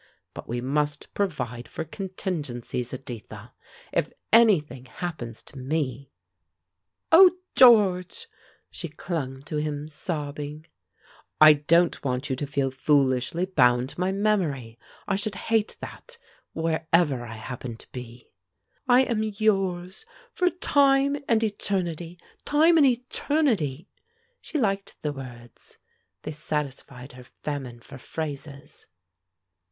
But we must provide for contingencies, Editha. If anything happens to me " "Oh, George!" She clung to him sobbing. "I don't want you to feel foolishly bound to my memory. I should hate that, wherever I happened to be." "I am yours, for time and eternity time and eternity." She liked the words; they satisfied her famine for phrases.